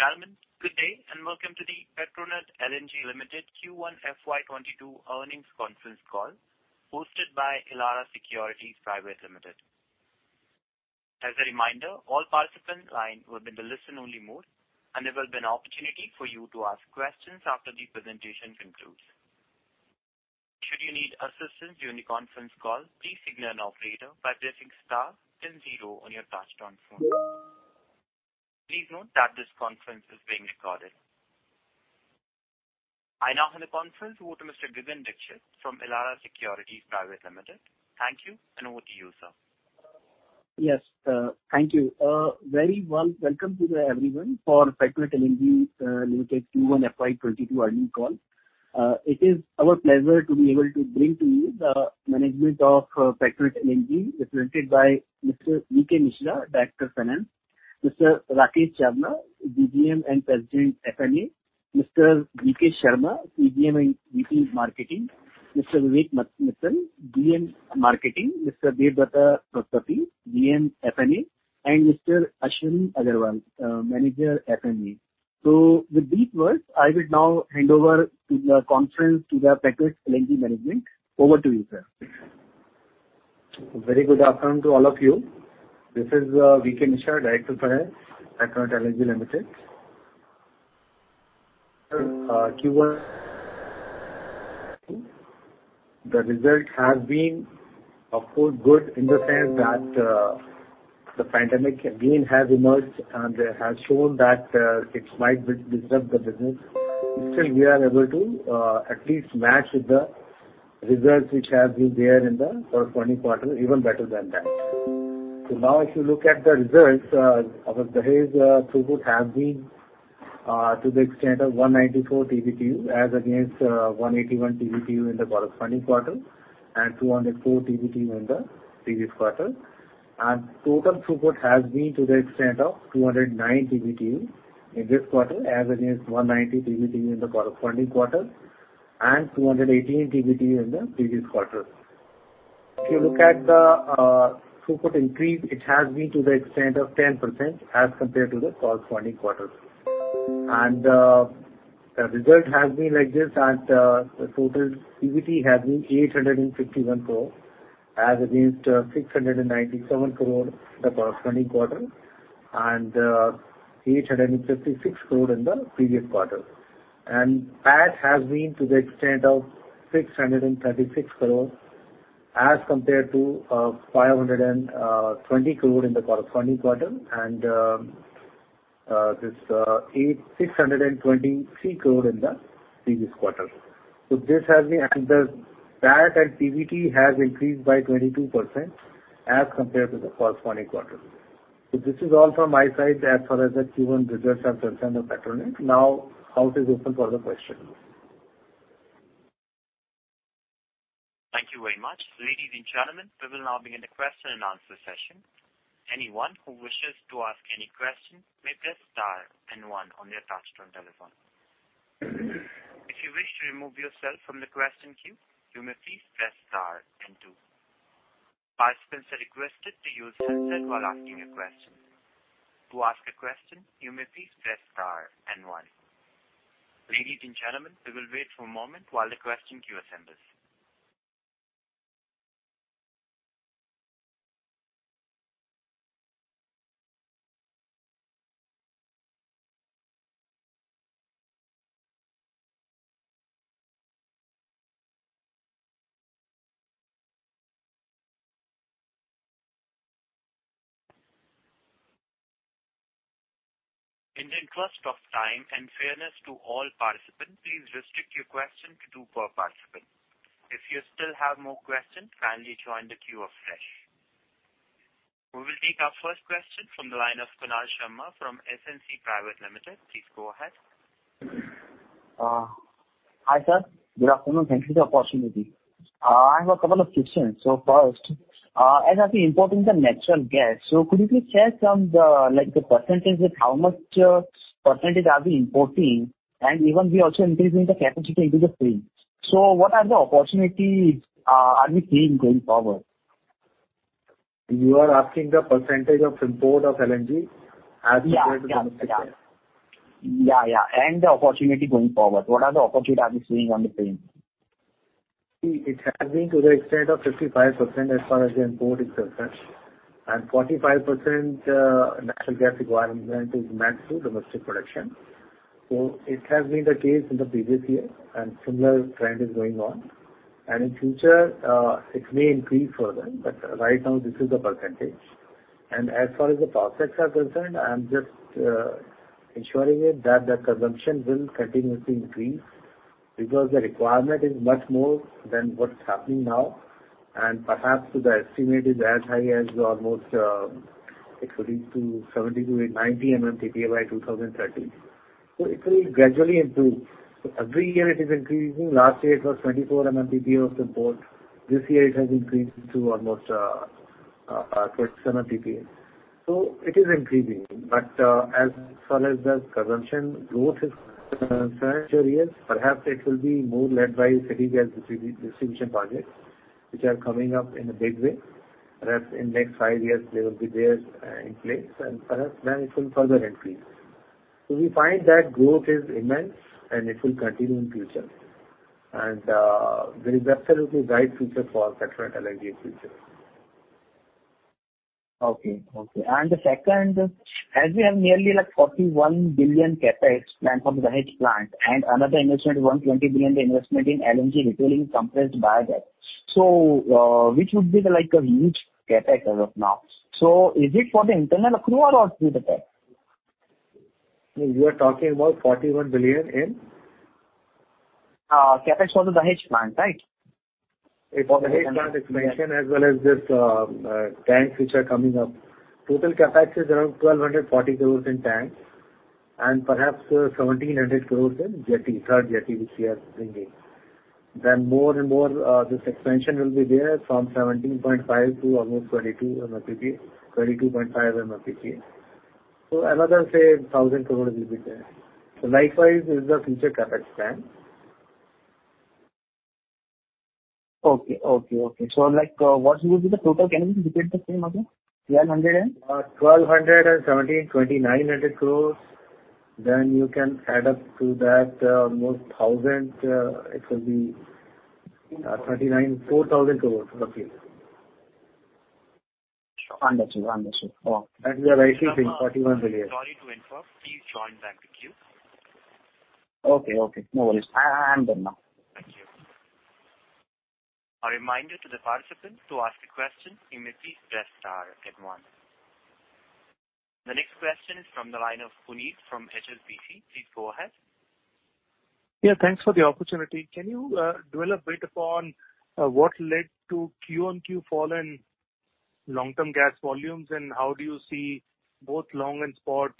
Ladies and gentlemen, good day, and welcome to the Petronet LNG Limited Q1 FY 2022 earnings conference call, hosted by Elara Securities Private Limited. As a reminder, all participants will be in the listen-only mode, and there will be an opportunity for you to ask questions after the presentation concludes. Should you need assistance during the conference call, please signal an operator by pressing star one two zeros on your touch-tone phone. Please note that this conference is being recorded. I now hand the conference over to Mr. Gagan Dixit from Elara Securities Private Limited. Thank you, and over to you, sir. Yes, thank you. Very warm welcome to everyone for Petronet LNG Limited Q1 FY22 earnings call. It is our pleasure to be able to bring to you the management of Petronet LNG, represented by Mr. VK Mishra, Director, Finance, Mr. Rakesh Chhabra, DGM and President, F&A, Mr. VK Sharma, CGM and VP, Marketing, Mr. Vivek Mittal, GM, Marketing, Mr. Dev Datta Tripathi, GM, F&A, and Mr. Ashwin Agarwal, Manager, F&A. With these words, I will now hand over the conference to the Petronet LNG management. Over to you, sir. Very good afternoon to all of you. This is VK Mishra, Director, Finance, Petronet LNG Limited. Q1, the result has been, of course, good in the sense that the pandemic again has emerged, and it has shown that it might disrupt the business. Still, we are able to at least match with the results, which have been there in the corresponding quarter, even better than that. So now, if you look at the results, our Dahej throughput have been to the extent of 194 TBTU, as against 181 TBTU in the corresponding quarter, and 204 TBTU in the previous quarter. And total throughput has been to the extent of 209 TBTU in this quarter, as against 190 TBTU in the corresponding quarter, and 218 TBTU in the previous quarter. If you look at the throughput increase, it has been to the extent of 10% as compared to the corresponding quarter. And the result has been like this, that the total PBT has been 851 crore, as against 697 crore in the corresponding quarter, and 856 crore in the previous quarter. And PAT has been to the extent of 636 crore, as compared to 520 crore in the corresponding quarter, and this 823 crore in the previous quarter. So this has been, and the PAT and PBT has increased by 22% as compared to the corresponding quarter. So this is all from my side as far as the Q1 results are concerned of Petronet. Now, house is open for the questions. Thank you very much. Ladies and gentlemen, we will now begin the question and answer session. Anyone who wishes to ask any question may press star and one on your touch-tone telephone. If you wish to remove yourself from the question queue, you may please press star and two. Participants are requested to use headset while asking a question. To ask a question, you may please press star and one. Ladies and gentlemen, we will wait for a moment while the question queue assembles. In the interest of time and fairness to all participants, please restrict your question to two per participant. If you still have more questions, kindly join the queue afresh. We will take our first question from the line of Kunal Sharma from SMC Global Securities Limited. Please go ahead. Hi, sir. Good afternoon. Thank you for the opportunity. I have a couple of questions. So first, as you are importing the natural gas, so could you please share some, the, like, the percentage of how much percentage are we importing? And even we are also increasing the capacity into the stream. So what are the opportunities are we seeing going forward? You are asking the percentage of import of LNG as we- Yeah, yeah, yeah. Yeah, yeah, and the opportunity going forward. What are the opportunities are we seeing on the frame? It, it has been to the extent of 55% as far as the import is concerned, and 45%, natural gas requirement is met through domestic production. So it has been the case in the previous year, and similar trend is going on. In future, it may increase further, but right now, this is the percentage. And as far as the prospects are concerned, I'm just ensuring it that the consumption will continuously increase, because the requirement is much more than what's happening now, and perhaps the estimate is as high as almost, it could be to 70 MMTPA-80 MMTPA by 2030. So it will gradually improve. So every year it is increasing. Last year, it was 24 MMTPA of the import. This year it has increased to almost, 37 MMTPA. So it is increasing, but as far as the consumption growth is concerned, perhaps it will be more led by City Gas Distribution projects, which are coming up in a big way... perhaps in next five years, they will be there in place, and perhaps then it will further increase. So we find that growth is immense, and it will continue in future. There is absolutely bright future for Petronet LNG in future. Okay, okay. The second, as we have nearly like 41 billion CAPEX planned from Dahej plant, and another investment, 120 billion crores investment in LNG retailing compressed biogas. So, which would be like a huge CAPEX as of now. So is it for the internal accruals or through debt? You are talking about 41 billion in? CAPEX for the Dahej plant, right? It's Dahej plant expansion, as well as this, tanks which are coming up. Total CAPEX is around 1,240 crores in tanks, and perhaps 1,700 crores in jetty, third jetty, which we are bringing. Then more and more, this expansion will be there from 17.5 MMTPA to almost 22 MMTPA, 22.5 MMTPA. So another, say, 1,000 crores will be there. So likewise, is the future CAPEX plan. Okay. Okay, okay. So like, what will be the total? Can you repeat the same again? 1,200 and- 1,217, 2,900 crores, then you can add up to that, 1,000 more, it will be 39, 4,000 crores roughly. Understood. Understood. Oh. That is a very big thing, 41 billion. Sorry to interrupt. Please join back the queue. Okay, okay. No worries. I am done now. Thank you. A reminder to the participants to ask a question, you may please press star then one. The next question is from the line of Puneet Gulati from HSBC. Please go ahead. Yeah, thanks for the opportunity. Can you dwell a bit upon what led to Q-on-Q fall in long-term gas volumes, and how do you see both long and spot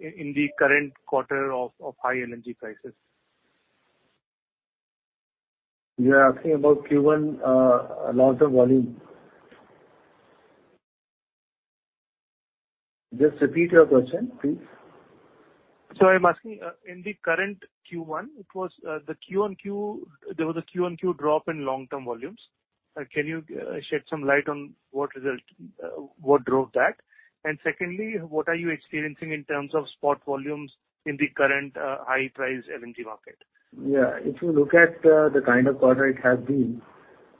in the current quarter of high LNG prices? You are asking about Q1, long-term volume? Just repeat your question, please. So I'm asking, in the current Q1, it was the Q-on-Q. There was a Q-on-Q drop in long-term volumes. Can you shed some light on what drove that? And secondly, what are you experiencing in terms of spot volumes in the current high price LNG market? Yeah, if you look at the kind of quarter it has been,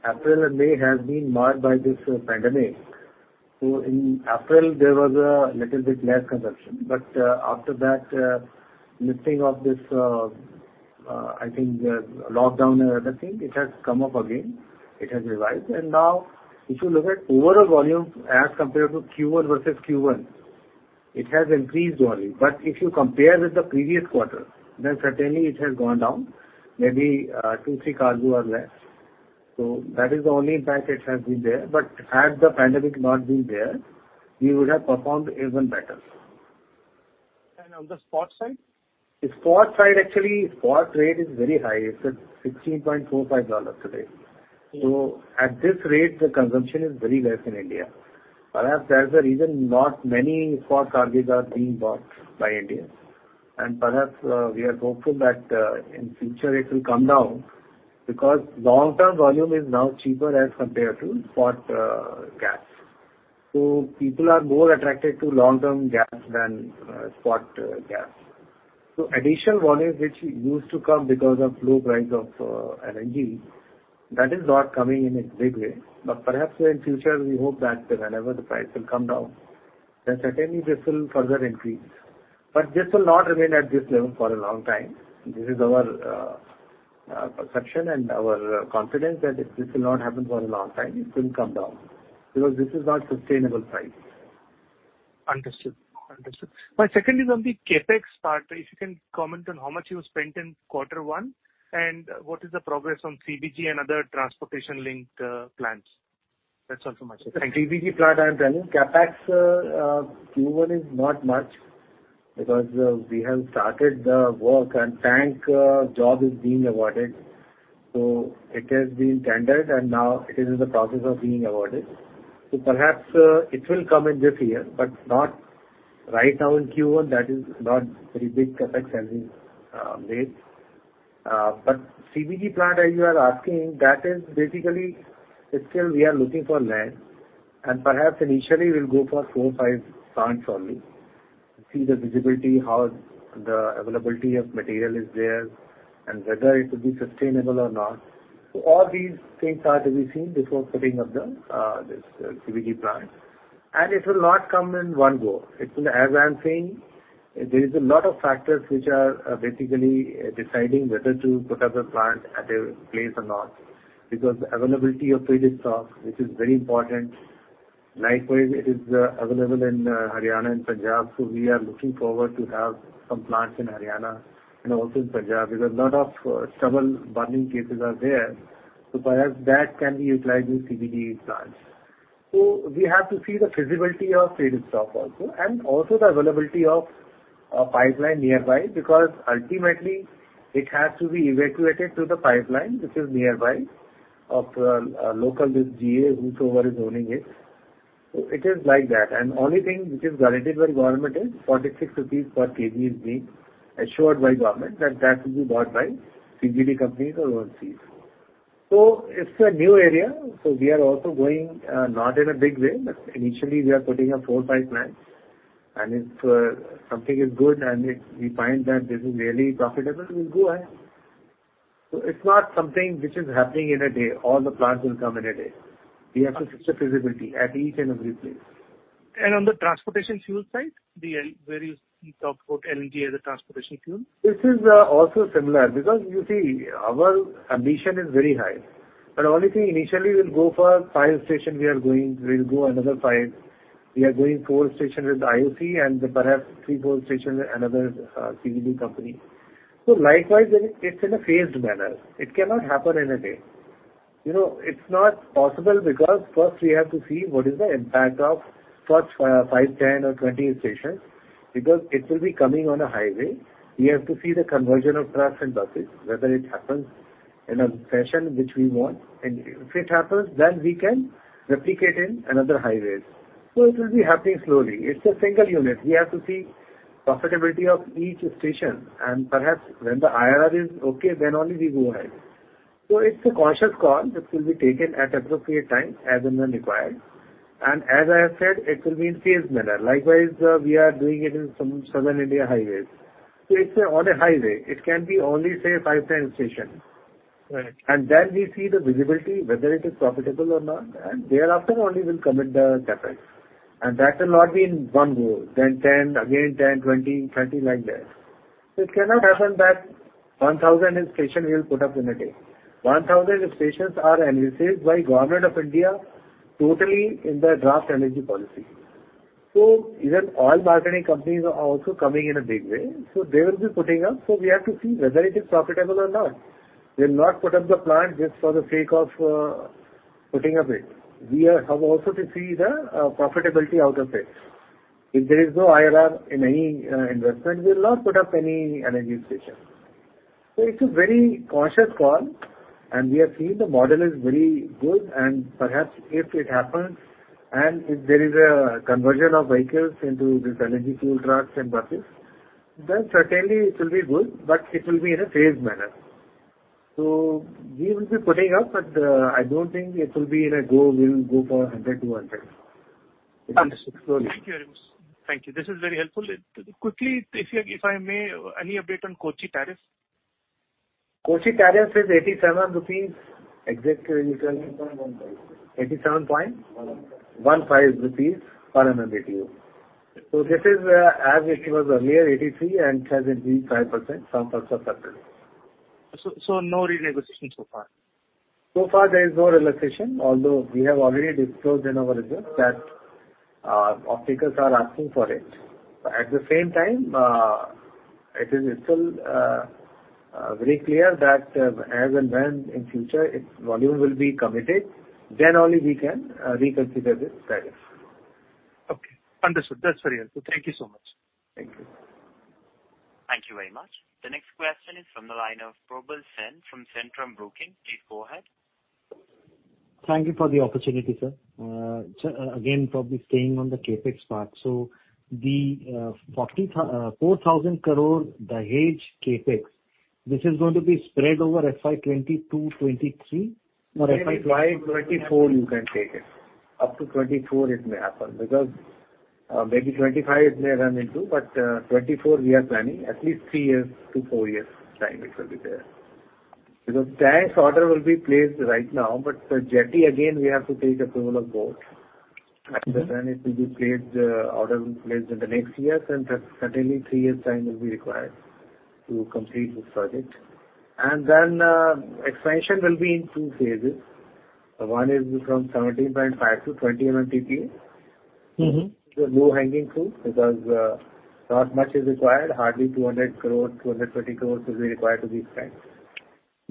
April and May have been marked by this pandemic. So in April, there was a little bit less consumption, but after that, lifting of this, I think, lockdown and everything, it has come up again. It has revised. And now, if you look at overall volume as compared to Q1 versus Q1, it has increased volume. But if you compare with the previous quarter, then certainly it has gone down, maybe two-three cargo or less. So that is the only impact it has been there. But had the pandemic not been there, we would have performed even better. On the spot side? The spot side, actually, spot rate is very high. It's at $16.45 today. Yeah. So at this rate, the consumption is very less in India. Perhaps that's the reason not many spot cargoes are being bought by India. And perhaps, we are hopeful that, in future it will come down, because long-term volume is now cheaper as compared to spot gas. So people are more attracted to long-term gas than spot gas. So additional volume, which used to come because of low price of LNG, that is not coming in a big way. But perhaps in future, we hope that whenever the price will come down, then certainly this will further increase. But this will not remain at this level for a long time. This is our perception and our confidence, that this will not happen for a long time. It will come down, because this is not sustainable price. Understood. Understood. My second is on the CAPEX part. If you can comment on how much you spent in quarter one, and what is the progress on CBG and other transportation-linked plants? That's all from my side. Thank you. CBG plant, I am telling, CAPEX, Q1 is not much because we have started the work and tank job is being awarded. So it has been tendered, and now it is in the process of being awarded. So perhaps it will come in this year, but not right now in Q1. That is not very big CAPEX has been made. But CBG plant, as you are asking, that is basically, it's still we are looking for land, and perhaps initially we'll go for four, five plants only. To see the visibility, how the availability of material is there, and whether it will be sustainable or not. So all these things are to be seen before putting up the this CBG plant. And it will not come in one go. It will, as I'm saying, there is a lot of factors which are basically deciding whether to put up a plant at a place or not, because availability of feedstock, which is very important. Likewise, it is available in Haryana and Punjab, so we are looking forward to have some plants in Haryana and also in Punjab, because a lot of stubble burning cases are there. So perhaps that can be utilized in CBG plants. So we have to see the feasibility of feedstock also, and also the availability of a pipeline nearby, because ultimately it has to be evacuated to the pipeline, which is nearby of a local GA, whoever is owning it. So it is like that, and only thing which is guaranteed by the government is 46 rupees per kg is being assured by government that that will be bought by CBG companies or ONGC. So it's a new area, so we are also going, not in a big way, but initially we are putting up four-five plants. And if something is good and we find that this is really profitable, we'll go ahead. So it's not something which is happening in a day, all the plants will come in a day. We have to fix the feasibility at each and every place. On the transportation fuel side, the LNG where you talked about LNG as a transportation fuel? This is also similar because you see, our ambition is very high. But only thing, initially we'll go for five stations, we'll go another five. We are going four stations with IOC and perhaps three, four stations with another CBG company. So likewise, it, it's in a phased manner. It cannot happen in a day. You know, it's not possible because first we have to see what is the impact of first five, 10 or 20 stations, because it will be coming on a highway. We have to see the conversion of trucks and buses, whether it happens in a fashion which we want. And if it happens, then we can replicate in another highways. So it will be happening slowly. It's a single unit. We have to see profitability of each station, and perhaps when the IRR is okay, then only we go ahead. So it's a conscious call that will be taken at appropriate time, as and when required. And as I have said, it will be in phased manner. Likewise, we are doing it in some southern India highways. So it's on a highway, it can be only, say, five, 10 stations. Right. Then we see the visibility, whether it is profitable or not, and thereafter only we'll commit the CAPEX. That will not be in one go, then 10, again 10, 20, 30, like that. So it cannot happen that 1,000 station we will put up in a day. 1,000 stations are enlisted by Government of India totally in the draft energy policy. So even oil marketing companies are also coming in a big way, so they will be putting up. So we have to see whether it is profitable or not. We'll not put up the plant just for the sake of putting up it. We are, have also to see the profitability out of it. If there is no IRR in any investment, we will not put up any LNG station. So it's a very conscious call, and we have seen the model is very good. And perhaps if it happens, and if there is a conversion of vehicles into this LNG fuel trucks and buses, then certainly it will be good, but it will be in a phased manner. So we will be putting up, but I don't think it will be in a go, we will go for 100, 200. It is slowly. Thank you very much. Thank you. This is very helpful. Quickly, if you, if I may, any update on Kochi tariff? Kochi tariff is 87 rupees, exactly, 87.15 rupees per MMBtu. So this is, as it was earlier, 83, and it has increased 5% some months of February. So, no renegotiation so far? So far there is no renegotiation, although we have already disclosed in our results that, off-takers are asking for it. But at the same time, it is still, very clear that, as and when in future its volume will be committed, then only we can, reconsider this tariff. Okay. Understood. That's very helpful. Thank you so much. Thank you. Thank you very much. The next question is from the line of Probal Sen from Centrum Broking. Please go ahead. Thank you for the opportunity, sir. So, again, probably staying n the CAPEX part. So the 4,000 crore, Dahej CAPEX, this is going to be spread over FY 2022, 2023, or FY- 2025, 2024, you can take it. Up to 2024, it may happen, because, maybe 2025 it may run into, but, 2024 we are planning. At least three-four years time it will be there. Because tanks order will be placed right now, but the jetty again, we have to take approval of both. Then it will be placed, order will be placed in the next years, and then certainly three years time will be required to complete this project. Then, expansion will be in two phases. One is from 17.5 MMTPA-20 MMTPA. So, low-hanging fruit, because not much is required, hardly 200 crore- 220 crore will be required to be spent.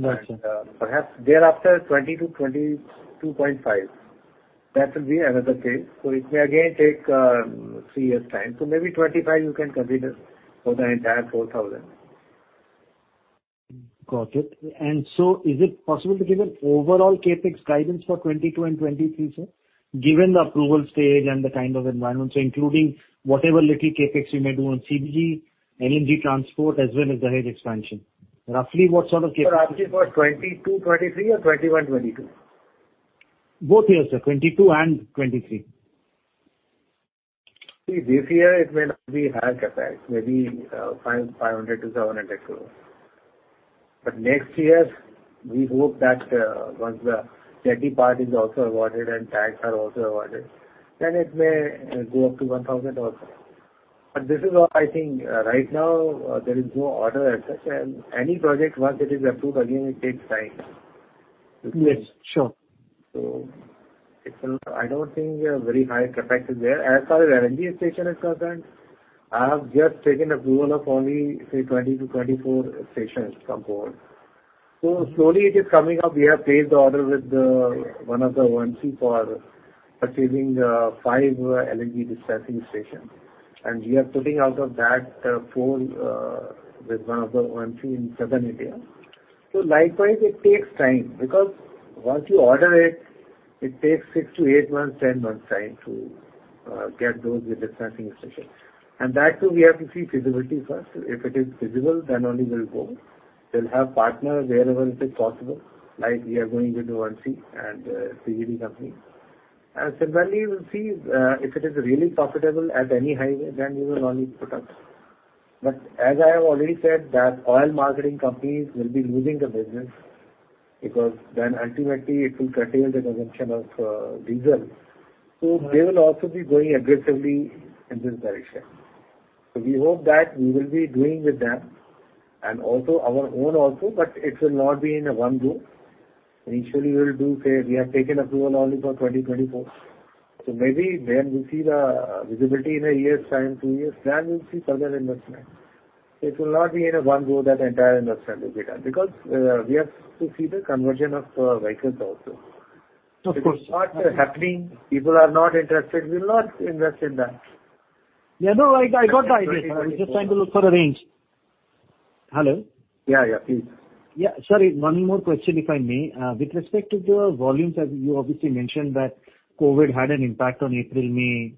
Got you. Perhaps thereafter, 20-22.5. That will be another phase. So it may again take three years time. So maybe 2025 you can consider for the entire 4,000. Got it. And so is it possible to give an overall CAPEX guidance for 2022 and 2023, sir? Given the approval stage and the kind of environment, so including whatever little CAPEX you may do on CBG, LNG transport, as well as the Dahej expansion. Roughly, what sort of CAPEX? You're asking for 2022, 2023 or 2021, 2022? Both years, sir, 2022 and 2023. See, this year it may not be high CAPEX, maybe, 500 crore-700 crore. But next year, we hope that, once the jetty part is also awarded and tanks are also awarded, then it may, go up to 1,000 crore also. But this is all I think, right now, there is no order as such, and any project, once it is approved, again, it takes time. Yes, sure. So it will... I don't think a very high CAPEX is there. As far as LNG station is concerned, I have just taken approval of only, say, 20-24 stations from port. So slowly it is coming up. We have placed the order with one of the ONGC for purchasing five LNG dispensing stations. And we are putting out of that four with one of the ONGC in southern India. So likewise, it takes time, because once you order it, it takes six-eight months, 10 months time to get those with the charging stations. And that too, we have to see feasibility first. If it is feasible, then only we'll go. We'll have partners wherever it is possible, like we are going with the ONGC and CGD company. Similarly, we'll see if it is really profitable at any highway, then we will only put up. But as I have already said, that oil marketing companies will be losing the business, because then ultimately it will curtail the consumption of diesel. So they will also be going aggressively in this direction. So we hope that we will be doing with them and also our own also, but it will not be in a one go. Initially, we will do, say, we have taken approval only for 2024, so maybe then we see the visibility in a year's time, two years, then we'll see further investment. It will not be in a one go that entire investment will be done, because we have to see the conversion of vehicles also. Of course. If it's not happening, people are not interested, we'll not invest in that. Yeah, no, I, I got the idea. I was just trying to look for a range. Hello? Yeah, yeah, please. Yeah. Sorry, one more question, if I may. With respect to your volumes, as you obviously mentioned, that COVID had an impact on April, May,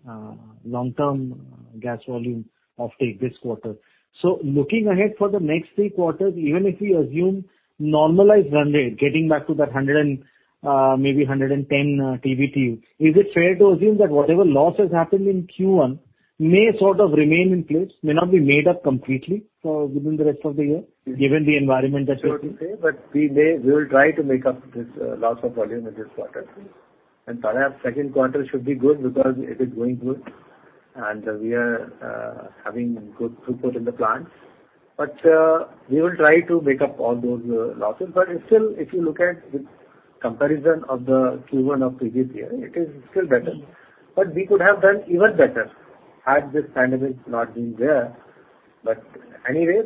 long-term gas volume offtake this quarter. So looking ahead for the next three quarters, even if we assume normalized run rate, getting back to that 100 and, maybe 110, TBTU, is it fair to assume that whatever loss has happened in Q1 may sort of remain in place, may not be made up completely for within the rest of the year, given the environment that you're in? We will try to make up this loss of volume in this quarter. Perhaps second quarter should be good because it is going good and we are having good throughput in the plants. But we will try to make up all those losses. But still, if you look at the comparison of the Q1 of previous year, it is still better. But we could have done even better had this pandemic not been there. But anyway,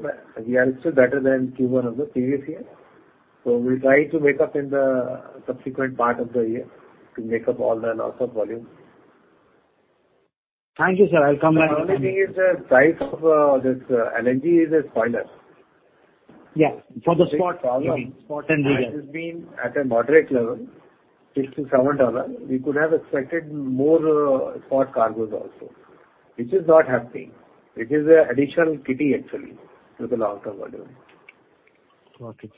we are still better than Q1 of the previous year. So we'll try to make up in the subsequent part of the year, to make up all the loss of volume. Thank you, sir. I'll come back. The only thing is the price of this LNG is a spoiler. Yeah, for the spot, spot and diesel. It has been at a moderate level, $67. We could have expected more spot cargoes also, which is not happening. It is an additional pity, actually, to the long-term volume. Okay.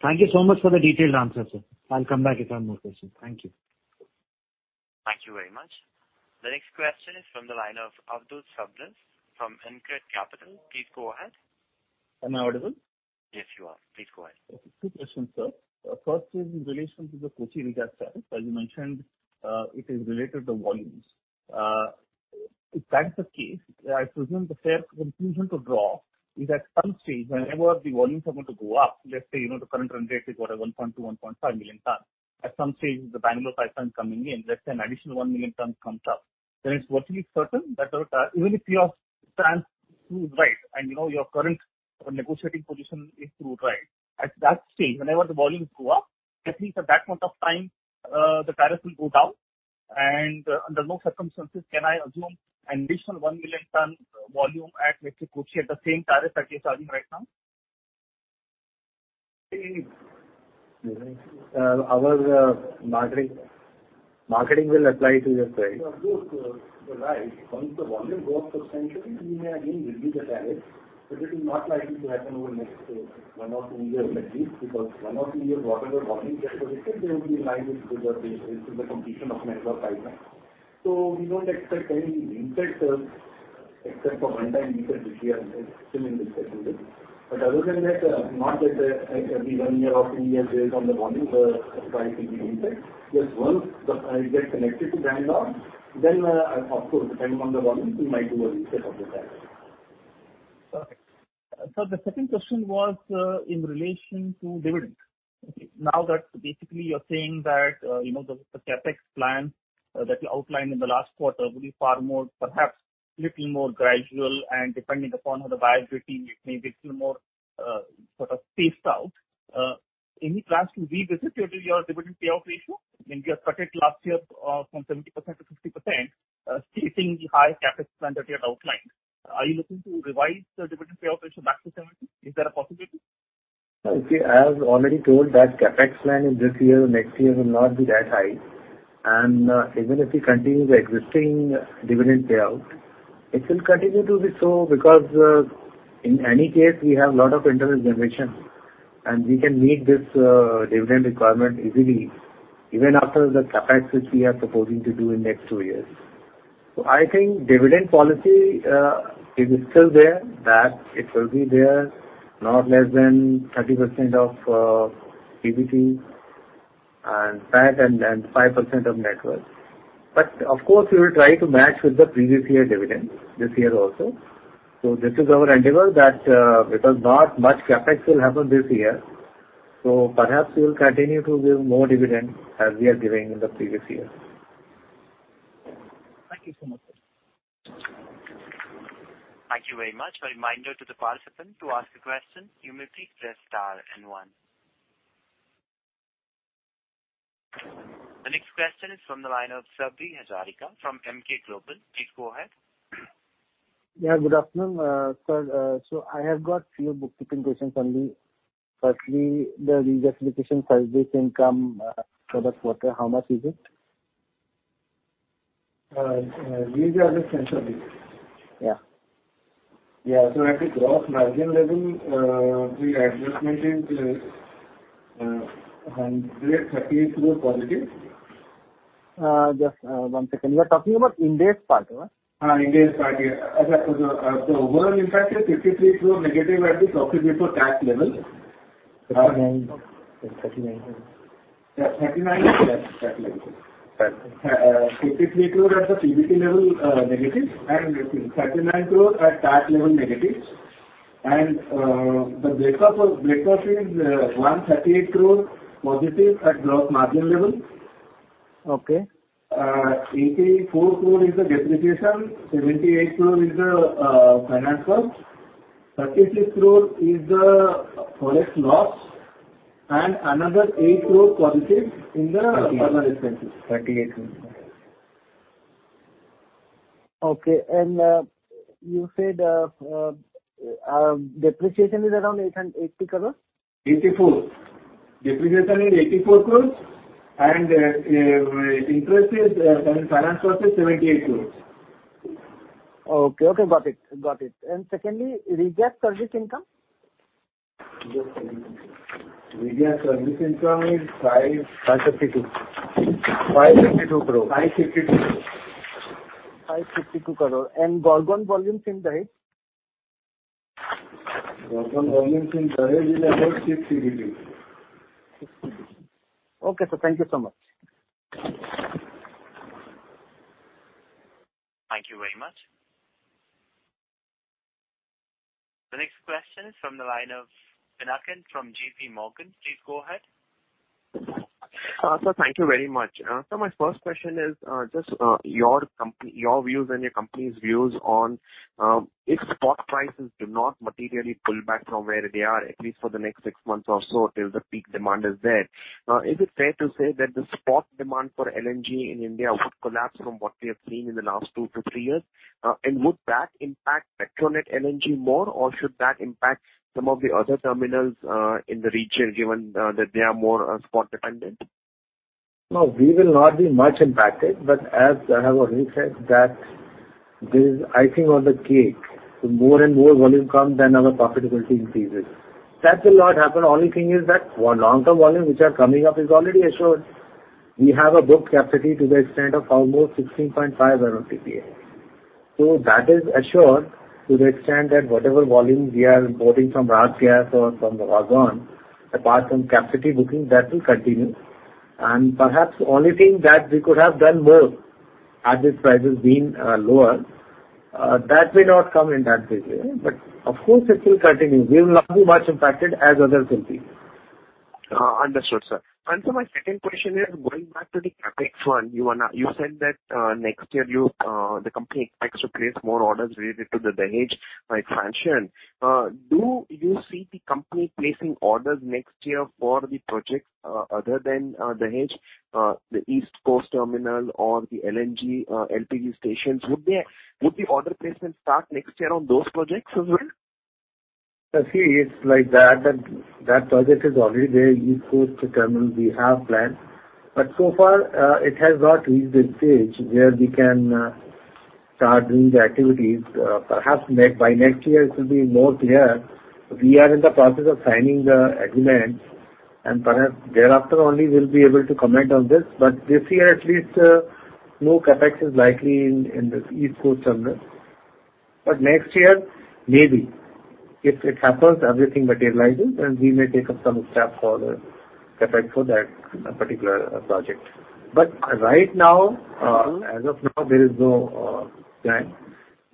Thank you so much for the detailed answer, sir. I'll come back if I have more questions. Thank you. Thank you very much. The next question is from the line of Abdulkader Puranwala from Elara Capital. Please go ahead. Am I audible? Yes, you are. Please go ahead. Okay. Two questions, sir. First is in relation to the Kochi project, sir. As you mentioned, it is related to volumes. If that's the case, I presume the fair conclusion to draw is at some stage, whenever the volumes are going to go up, let's say, you know, the current run rate is what, 1.2 million tons-1.5 million tons. At some stage, the Bangalore pipeline is coming in, let's say an additional 1 million tons comes up, then it's virtually certain that even if your plan proves right and, you know, your current negotiating position is proved right, at that stage, whenever the volumes go up, at least at that point of time, the tariff will go down. Under no circumstances can I assume an additional 1 million ton volume at, let's say, Kochi, at the same tariff that you're charging right now? Our marketing will apply to the price. Of course, you're right. Once the volume goes up substantially, we may again review the tariff, but it is not likely to happen over the next one or two years at least, because one or two years whatever the volume gets projected, they will be in line with the, with the completion of Bangalore pipeline. So we don't expect any impact, except for one time impact, which we are still in discussion with. But other than that, not that, every one year or two years, based on the volume, price will be impact. Just once the project connected to Bangalore, then, of course, depending on the volume, we might do an impact on the tariff. Perfect. So the second question was in relation to dividend. Now that basically you're saying that, you know, the CAPEX plan that you outlined in the last quarter will be far more, perhaps little more gradual, and depending upon how the viability, it may be a little more sort of paced out. Any plans to revisit your dividend payout ratio? I mean, you had cut it last year from 70%-50%, stating the high CAPEX plan that you had outlined. Are you looking to revise the dividend payout ratio back to 70%? Is there a possibility? Okay. I have already told that CAPEX plan in this year or next year will not be that high. And, even if we continue the existing dividend payout, it will continue to be so because, in any case, we have a lot of internal generation, and we can meet this, dividend requirement easily, even after the CAPEX, which we are proposing to do in next two years. So I think dividend policy, it is still there, that it will be there, not less than 30% of, PBT and that, and then 5% of net worth. But of course, we will try to match with the previous year dividend, this year also. So this is our endeavor that, because not much CAPEX will happen this year, so perhaps we will continue to give more dividend as we are giving in the previous year. Thank you so much, sir. Thank you very much. A reminder to the participant, to ask a question, you may please press star and one.... The next question is from the line of Sabri Hazarika from Emkay Global. Please go ahead. Yeah, good afternoon. Sir, so I have got few bookkeeping questions on the, firstly, the reclassification service income, for this quarter, how much is it? These are the central bills. Yeah. Yeah. So at the gross margin level, the adjustment is +132. Just, one second. You are talking about index part, huh? Index part, yeah. The overall impact is INR 53 crore- at the profit before tax level. 39. It's 39. Yeah, 39? Yes, 39. Right. 53 crore at the PBT level, negative, and 39 crore at tax level negative. The breakup is 138 crore + at gross margin level. Okay. 84 crore is the depreciation, 78 crore is the finance cost, 36 crore is the foreign loss, and another 8 crore + in the other expenses. INR 38 crore. Okay. And, you said, depreciation is around 880 crore? 84. Depreciation is 84 crores, and interest is, and finance cost is 78 crores. Okay. Okay, got it. Got it. And secondly, regas service income? Regas service income is 5- Five fifty-two. INR 552 crore. INR 552 crore. INR 552 crore. And Gorgon volumes in Dahej? Gorgon volumes in Dahej is about 60 DD. Okay, sir. Thank you so much. Thank you very much. The next question is from the line of Pinakin from JPMorgan. Please go ahead. Sir, thank you very much. So my first question is, just, your views and your company's views on, if spot prices do not materially pull back from where they are, at least for the next six months or so, till the peak demand is there, is it fair to say that the spot demand for LNG in India would collapse from what we have seen in the last two-three years? And would that impact Petronet LNG more, or should that impact some of the other terminals, in the region, given, that they are more, spot dependent? No, we will not be much impacted, but as I have already said that this is icing on the cake. The more and more volume come, then our profitability increases. That will not happen. Only thing is that for long-term volumes which are coming up is already assured. We have a book capacity to the extent of almost 16.5 MMTPA. So that is assured to the extent that whatever volumes we are importing from RasGas or from the Gorgon, apart from capacity booking, that will continue. And perhaps only thing that we could have done more, had these prices been lower, that may not come in that case. But of course it will continue. We will not be much impacted as others will be. Understood, sir. And so my second question is, going back to the CAPEX one, you are now... You said that, next year the company expects to place more orders related to the Dahej expansion. Do you see the company placing orders next year for the projects, other than Dahej, the East Coast Terminal or the LNG, LPG stations? Would the order placement start next year on those projects as well? See, it's like that, that project is already there, East Coast Terminal, we have planned. But so far, it has not reached the stage where we can start doing the activities. Perhaps by next year it will be more clear. We are in the process of signing the agreement, and perhaps thereafter only we'll be able to comment on this. But this year, at least, no CAPEX is likely in the East Coast Terminal. But next year, maybe, if it happens, everything materializes, and we may take up some steps for the CAPEX for that particular project. But right now, as of now, there is no plan.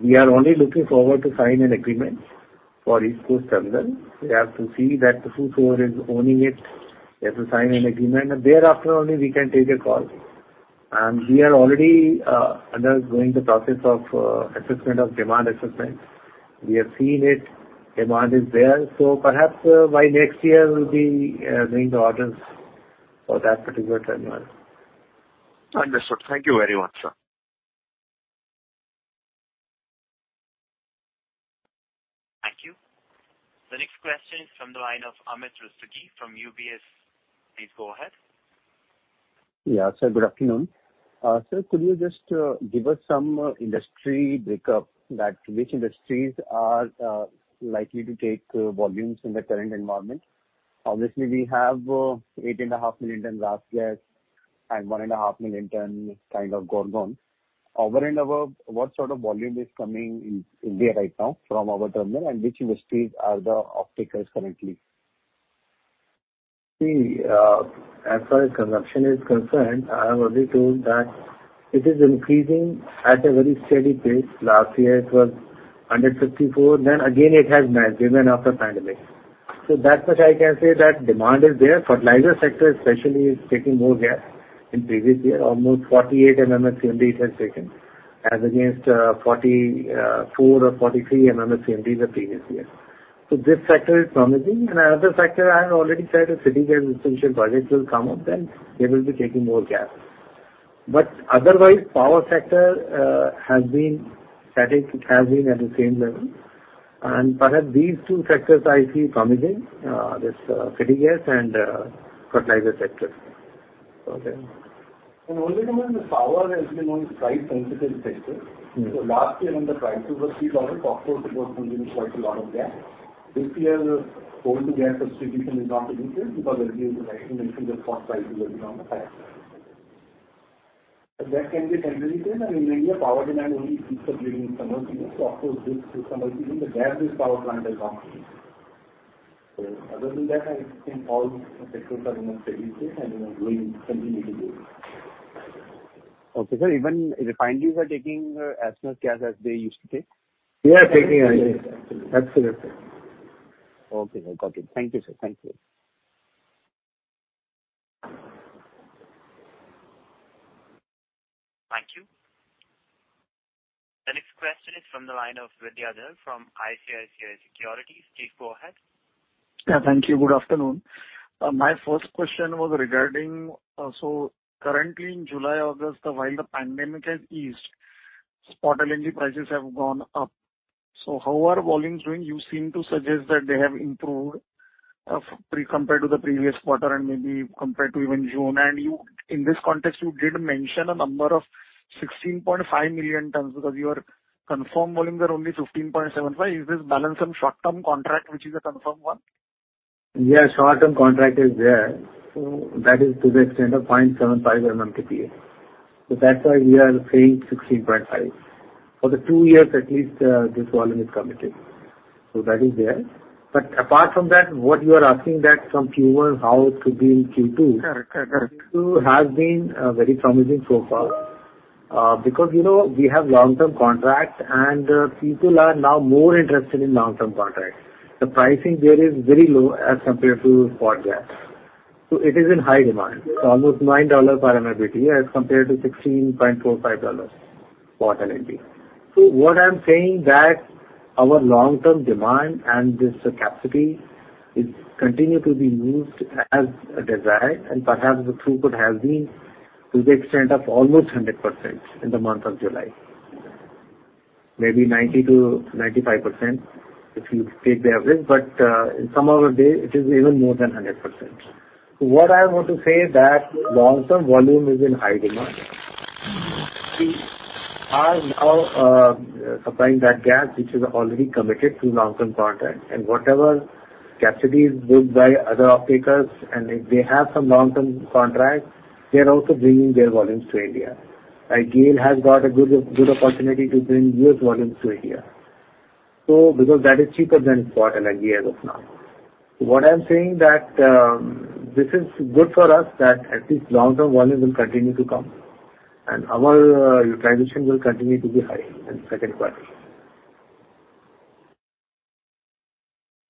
We are only looking forward to sign an agreement for East Coast Terminal. We have to see that whoever is owning it, we have to sign an agreement, and thereafter only we can take a call. And we are already undergoing the process of assessment of demand assessment. We have seen it, demand is there, so perhaps by next year we'll be doing the orders for that particular terminal. Understood. Thank you very much, sir. Thank you. The next question is from the line of Amit Rustagi from UBS. Please go ahead. Yeah. Sir, good afternoon. Sir, could you just give us some industry breakup that which industries are likely to take volumes in the current environment? Obviously, we have 8.5 million in RasGas and 1.5 million ton kind of Gorgon. Over and above, what sort of volume is coming in India right now from our terminal, and which industries are the off-takers currently? See, as far as consumption is concerned, I have already told that it is increasing at a very steady pace. Last year it was 154, then again it has risen after pandemic. So that much I can say that demand is there. Fertilizer sector especially is taking more gas. In previous year, almost 48 MMSCMD has taken, as against, 44 or 43 MMSCMD the previous year. So this sector is promising, and another sector I have already said, the city gas distribution projects will come up, then they will be taking more gas. But otherwise, power sector, has been static, it has been at the same level. And perhaps these two sectors I see promising, this, city gas and, fertilizer sector. Okay. The power has been one price-sensitive sector. So last year on the prices were $3, of course, it was consuming quite a lot of gas. This year, the coal-to-gas substitution is not sufficient because as you mentioned, the spot prices have come down the price. So that can be temporary thing, and in India, power demand only peaks up during summer season. So of course, this summer season, the gas-based power plant has not changed. So other than that, I think all the sectors are remaining steady state and, you know, will continue to do. Okay, sir, even refineries are taking as much gas as they used to take? They are taking, absolutely. Okay, sir. Got it. Thank you, sir. Thank you. Thank you. The next question is from the line of Vidyadhar from ICICI Securities. Please go ahead. Yeah, thank you. Good afternoon. My first question was regarding, so currently in July, August, while the pandemic has eased, spot LNG prices have gone up. So how are volumes doing? You seem to suggest that they have improved, pre-compared to the previous quarter and maybe compared to even June. And you, in this context, you did mention a number of 16.5 million tons, because your confirmed volumes are only 15.75 million tons. Is this balance some short-term contract, which is a confirmed one? Yeah, short-term contract is there. So that is to the extent of 0.75 MMTPA. So that's why we are saying 16.5. For the two years, at least, this volume is committed, so that is there. But apart from that, what you are asking that from Q1, how it could be in Q2? Correct, correct, correct. Q2 has been very promising so far. Because, you know, we have long-term contracts, and people are now more interested in long-term contracts. The pricing there is very low as compared to spot gas, so it is in high demand. So almost $9 per MMBtu as compared to $16.45 for LNG. So what I'm saying that our long-term demand and this capacity is continue to be used as desired, and perhaps the two could have been to the extent of almost 100% in the month of July. Maybe 90%-95%, if you take the average, but in some other day, it is even more than 100%. So what I want to say that long-term volume is in high demand. We are now supplying that gas, which is already committed to long-term contract, and whatever capacity is booked by other off-takers, and if they have some long-term contracts, they are also bringing their volumes to India. GAIL has got a good, good opportunity to bring U.S. volumes to India. So because that is cheaper than spot LNG as of now. So what I'm saying that this is good for us, that at least long-term volume will continue to come, and our transition will continue to be high in the second quarter.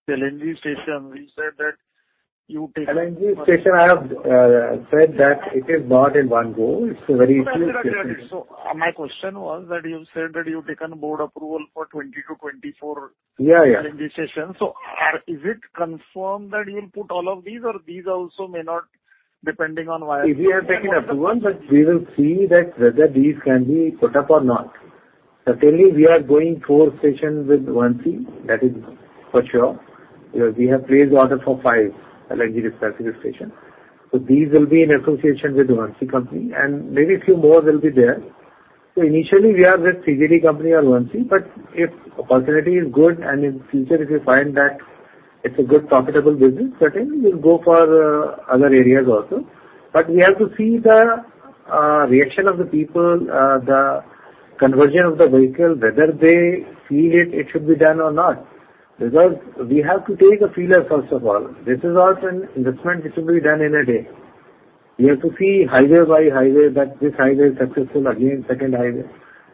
The LNG station, we said that you take- LNG station, I have said that it is not in one go. It's a very- No, absolutely, I agree. So my question was that you said that you've taken board approval for 20-24- Yeah, yeah. LNG stations. So, is it confirmed that you'll put all of these, or these also may not, depending on viability? We have taken approval, but we will see that whether these can be put up or not. Certainly, we are going four stations with ONGC, that is for sure, because we have placed order for five LNG distribution stations. So these will be in association with ONGC company, and maybe a few more will be there. So initially we are with CGD company or ONGC, but if opportunity is good and in future if we find that it's a good, profitable business, certainly we'll go for other areas also. But we have to see the reaction of the people, the conversion of the vehicle, whether they feel it, it should be done or not. Because we have to take a feeler, first of all. This is not an investment which will be done in a day. We have to see highway by highway, that this highway is successful, again, second highway.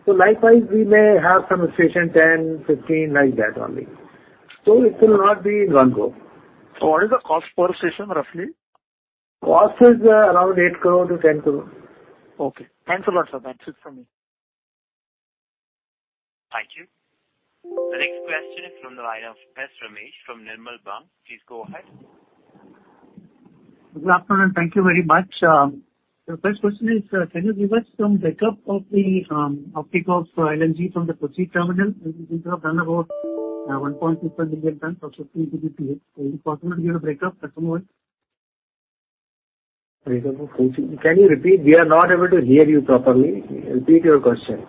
So likewise, we may have some station, 10, 15, like that only. So it will not be in one go. What is the cost per station, roughly? Cost is around 8 crore-10 crore. Okay. Thanks a lot, sir. That's it from me. Thank you. The next question is from the line of S. Ramesh from Nirmal Bang. Please go ahead. Good afternoon. Thank you very much. The first question is, can you give us some breakup of the off-take of LNG from the Kochi terminal? You have done about 1.6 million tons or 1.5 MMTPA. Is it possible to give a breakup at the moment? Can you repeat? We are not able to hear you properly. Repeat your question.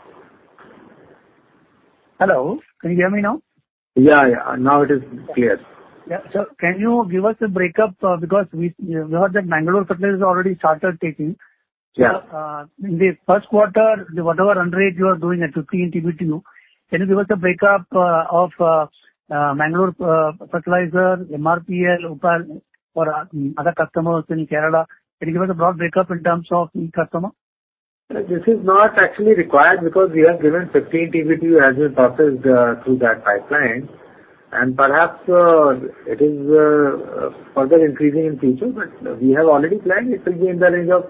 Hello, can you hear me now? Yeah, yeah. Now it is clear. Yeah. So can you give us a break-up? Because we heard that Mangalore Fertilizer has already started taking. Yeah. In the first quarter, whatever run rate you are doing at 15 TBTU, can you give us a breakup of Mangalore Fertilizer, MRPL, OPaL, or other customers in Kerala? Can you give us a broad breakup in terms of each customer? This is not actually required because we have given 15 TBTU as we processed through that pipeline. And perhaps it is further increasing in future, but we have already planned it will be in the range of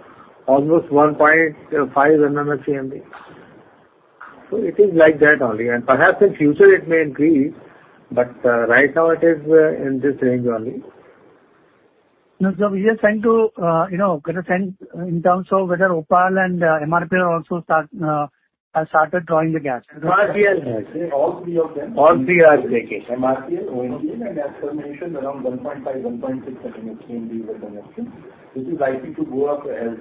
almost 1.5 MMSCMD. So it is like that only, and perhaps in future it may increase, but right now it is in this range only. No, so we are trying to, you know, get a sense in terms of whether OPaL and MRPL also start, have started drawing the gas. All three of them. All three are taking. MRPL, ONGC, and as per mentioned, around 1.5 MMBD, 1.6 MMBD were connected, which is likely to go up as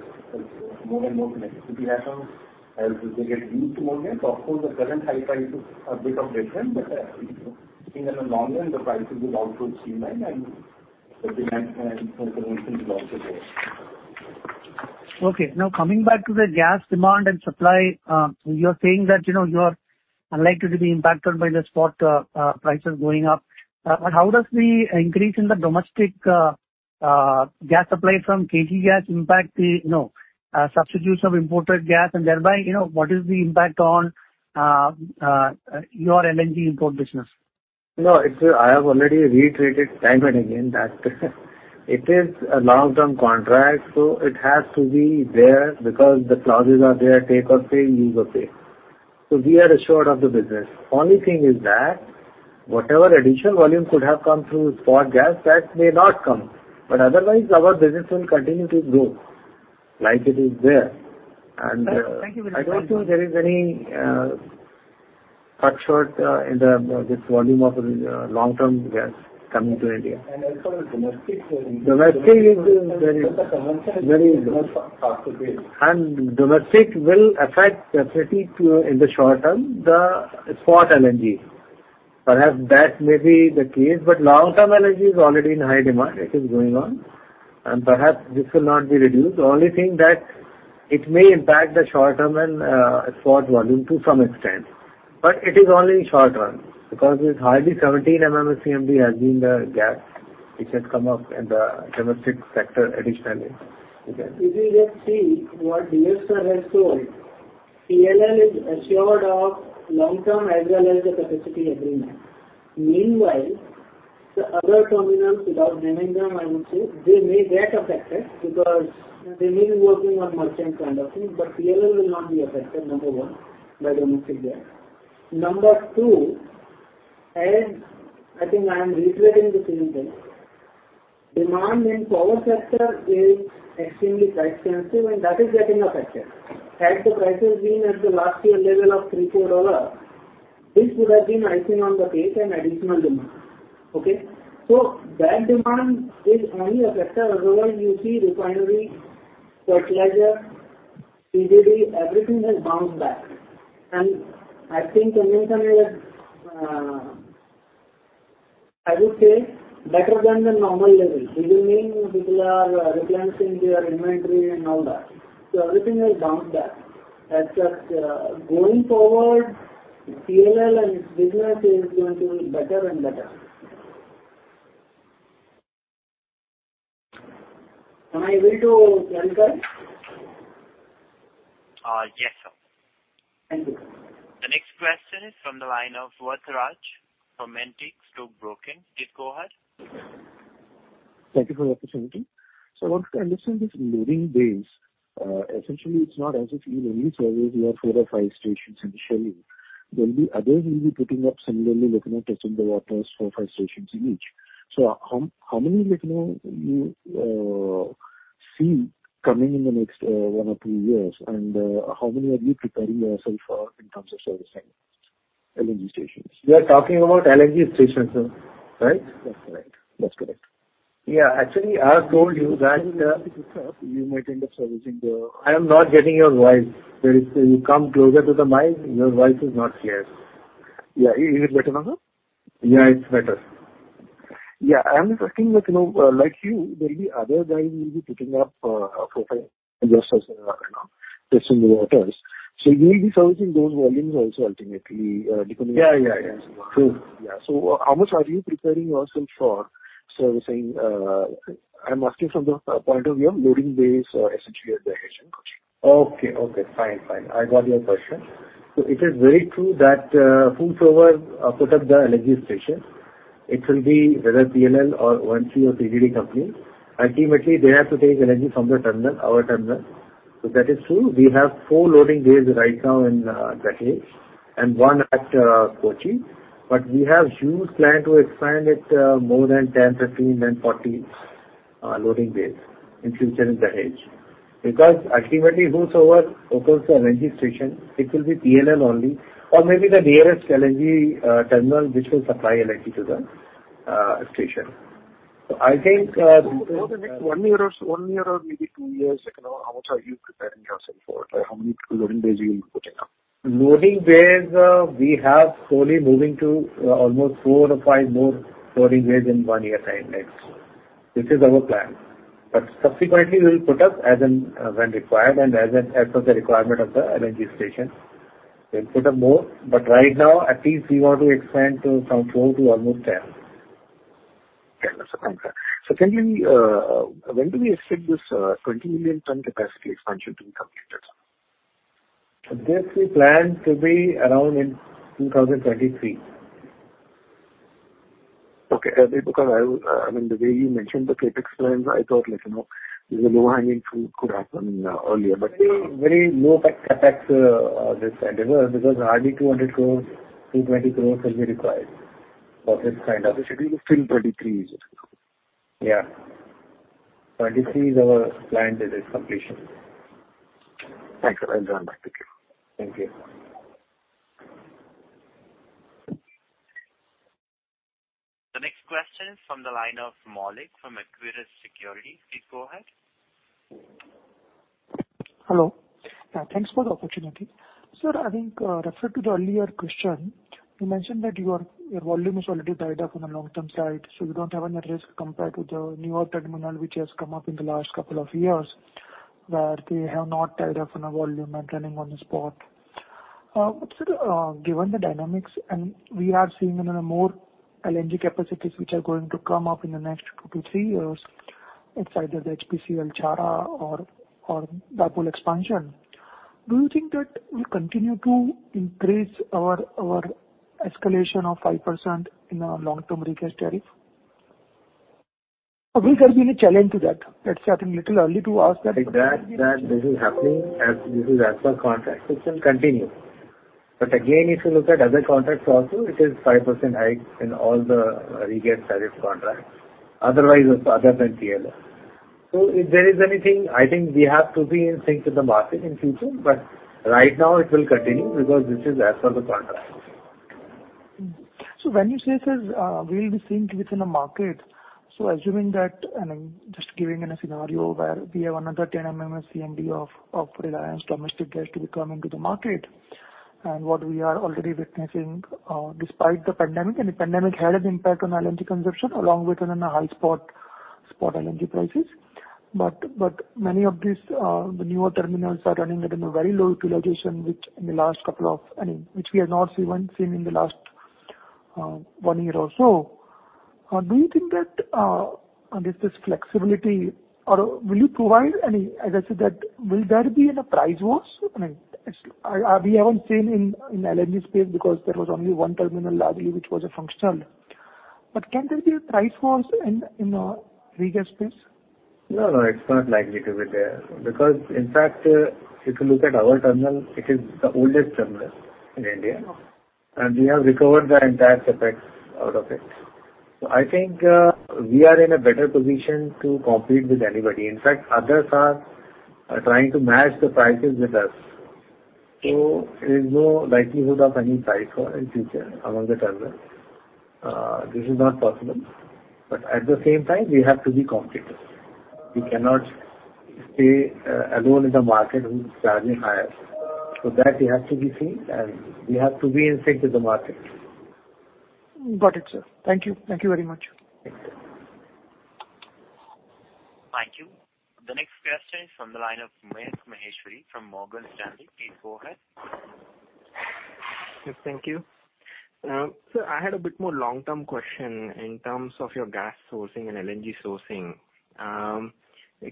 more and more connectivity happens, as they get used to more gas. Of course, the current high price is a bit of different, but I think in the long run, the prices will also streamline and the demand and consumption will also go up. Okay. Now, coming back to the gas demand and supply, you are saying that, you know, you are unlikely to be impacted by the spot prices going up. But how does the increase in the domestic gas supply from KG gas impact the, you know, substitution of imported gas, and thereby, you know, what is the impact on your LNG import business? No, I have already reiterated time and again that it is a long-term contract, so it has to be there because the clauses are there, take or pay, use or pay. So we are assured of the business. Only thing is that whatever additional volume could have come through spot gas, that may not come, but otherwise our business will continue to grow like it is there. Thank you. I don't think there is any short in this volume of long-term gas coming to India. And as for the domestic- Domestic is very, very... And domestic will affect capacity to, in the short term, the spot LNG. Perhaps that may be the case, but long-term LNG is already in high demand. It is going on, and perhaps this will not be reduced. The only thing that it may impact the short term and, spot volume to some extent. But it is only short run, because it is hardly 17 MMSCMD has been the gas which has come up in the domestic sector additionally. If you just see what DF sir has told, PLL is assured of long-term as well as the capacity agreement. Meanwhile, the other terminals, without naming them, I would say, they may get affected because they may be working on merchant kind of thing, but PLL will not be affected, number one, by domestic gas. Number two, and I think I am reiterating the same thing, demand in power sector is extremely price sensitive, and that is getting affected. Had the prices been at the last year level of $3-$4, this would have been icing on the cake and additional demand. Okay? So that demand is only affected. Otherwise, you see refinery, fertilizer, PGD, everything has bounced back. And I think conventional, I would say, better than the normal level. This will mean people are replenishing their inventory and all that. So everything has bounced back. As such, going forward, PLL and business is going to be better and better. Am I able to, Shankar? Yes, sir. Thank you. The next question is from the line of Varatharajan from Antique Stock Broking. Please go ahead. Thank you for the opportunity. So what I understand is loading bays, essentially it's not as if in any service you have four or five stations initially. There'll be others will be putting up similarly, looking at testing the waters, four, five stations in each. So how many, you know, you see coming in the next one or two years? And how many are you preparing yourself for in terms of servicing LNG stations? You are talking about LNG stations, sir, right? That's correct. That's correct. Yeah. Actually, I have told you that- You might end up servicing the- I am not getting your voice. There is... You come closer to the mic. Your voice is not clear. Yeah. Is it better now, sir? Yeah, it's better. Yeah. I am expecting that, you know, like you, there will be other guys who will be putting up four, five investors, you know, testing the waters. So you will be servicing those volumes also ultimately, depending on- Yeah, yeah, yeah. True. Yeah. So how much are you preparing yourself for servicing? I'm asking from the point of view of loading bays for LNG at the East Coast. Okay. Okay, fine. Fine. I got your question. So it is very true that, whosoever put up the LNG station, it will be whether PLL or ONGC or CGD company, ultimately, they have to take LNG from the terminal, our terminal. So that is true. We have four loading bays right now in Dahej and one at Kochi. But we have huge plan to expand it, more than 10, 15, then 40 loading bays in future in Dahej. Because ultimately, whosoever opens the LNG station, it will be PLL only, or maybe the nearest LNG terminal, which will supply LNG to the station. So I think, Over the next one year or, one year or maybe two years, you know, how much are you preparing yourself for? How many loading bays you will be putting up? Loading bays, we have fully moving to almost four or five more loading bays in one year time next. This is our plan. But subsequently, we will put up as and when required and as per the requirement of the LNG station. We'll put up more, but right now, at least we want to expand to from four to almost 10. Okay, that's confirmed. So secondly, when do we expect this 20 million ton capacity expansion to be completed? This we plan to be around in 2023.... Okay, because I, I mean, the way you mentioned the CAPEX plans, I thought, like, you know, the low-hanging fruit could happen, earlier, but- Very, very low CAPEX, this endeavor, because hardly 200 crore, 220 crore will be required for this kind of- It should be till 2023, is it? Yeah. 2023 is our planned, it is completion. Thanks, sir. I'll join back. Thank you. Thank you. The next question is from the line of Maulik from Equirus Securities. Please go ahead. Hello. Thanks for the opportunity. Sir, I think, referred to the earlier question, you mentioned that your, your volume is already tied up on the long-term side, so you don't have another risk compared to the newer terminal, which has come up in the last couple of years, where they have not tied up in a volume and running on the spot. But, sir, given the dynamics and we are seeing in a more LNG capacities, which are going to come up in the next 2-3 years, it's either the HPCL Chhara or, or Dabhol expansion. Do you think that we continue to increase our, our escalation of 5% in our long-term regas tariff? There has been a challenge to that. That's, I think, little early to ask that. That this is happening as this is as per contract, it will continue. But again, if you look at other contracts also, it is 5% hike in all the regas tariff contracts. Otherwise, it's other than PL. So if there is anything, I think we have to be in sync with the market in future, but right now it will continue because this is as per the contract. So when you say, sir, we'll be synced within the market, so assuming that, and I'm just giving a scenario where we have another 10 MMSCMD of Reliance domestic gas to be coming to the market, and what we are already witnessing, despite the pandemic, and the pandemic had an impact on LNG consumption, along with it in a high spot LNG prices. But many of these, the newer terminals are running at a very low utilization, which in the last couple of, I mean, which we have not even seen in the last one year or so. Do you think that, there's this flexibility or will you provide any... As I said, that, will there be a price wars? I mean, we haven't seen in the LNG space because there was only one terminal lastly, which was functional. But can there be price wars in the regas space? No, no, it's not likely to be there. Because, in fact, if you look at our terminal, it is the oldest terminal in India. Oh. And we have recovered the entire CAPEX out of it. So I think, we are in a better position to compete with anybody. In fact, others are, are trying to match the prices with us. So there is no likelihood of any price war in future among the terminals. This is not possible. But at the same time, we have to be competitive. We cannot stay alone in the market with charging higher. For that, we have to be seen, and we have to be in sync with the market. Got it, sir. Thank you. Thank you very much. Thank you. Thank you. The next question is from the line of Mayank Maheshwari from Morgan Stanley. Please go ahead. Yes, thank you. So I had a bit more long-term question in terms of your gas sourcing and LNG sourcing.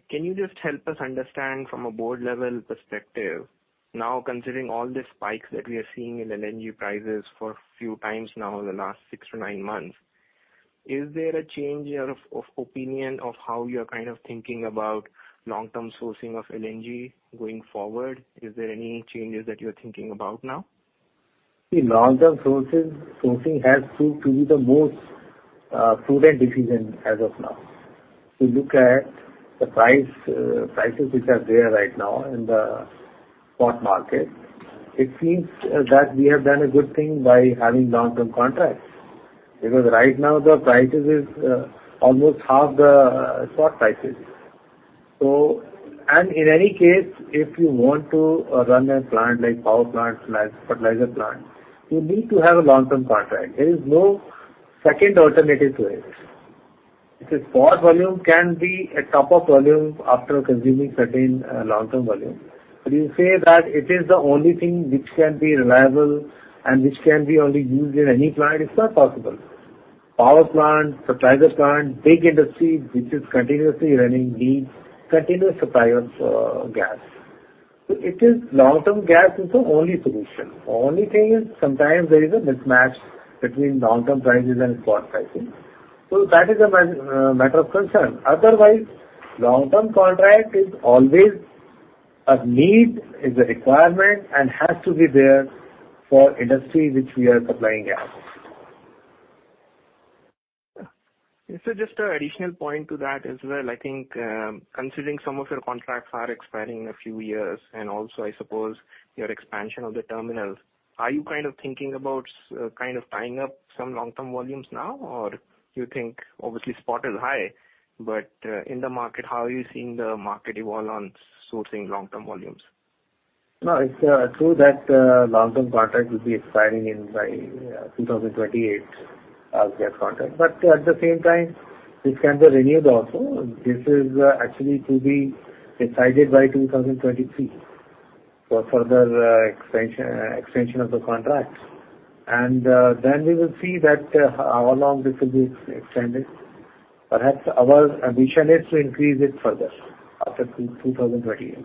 Can you just help us understand from a board level perspective, now, considering all the spikes that we are seeing in LNG prices for a few times now in the last six-nine months, is there a change of, of opinion of how you are kind of thinking about long-term sourcing of LNG going forward? Is there any changes that you're thinking about now? The long-term sources, sourcing has proved to be the most, prudent decision as of now. If you look at the price, prices which are there right now in the spot market, it seems, that we have done a good thing by having long-term contracts. Because right now the prices is almost half the spot prices. So... And in any case, if you want to, run a plant like power plants, like fertilizer plant, you need to have a long-term contract. There is no second alternative to it. The spot volume can be a top-up volume after consuming certain, long-term volume. But you say that it is the only thing which can be reliable and which can be only used in any plant, it's not possible. Power plant, fertilizer plant, big industry, which is continuously running, needs continuous supply of, gas. So it is long-term gas is the only solution. Only thing is, sometimes there is a mismatch between long-term prices and spot pricing. So that is a matter of concern. Otherwise, long-term contract is always a need, is a requirement, and has to be there for industry which we are supplying gas. Just an additional point to that as well, I think, considering some of your contracts are expiring in a few years, and also, I suppose, your expansion of the terminals, are you kind of thinking about kind of tying up some long-term volumes now, or you think obviously spot is high, but, in the market, how are you seeing the market evolve on sourcing long-term volumes? No, it's true that long-term contracts will be expiring in by 2028, gas contract. But at the same time, this can be renewed also. This is actually to be decided by 2023 for further extension, extension of the contracts. And then we will see that how long this will be extended.... perhaps our ambition is to increase it further after two, 2028.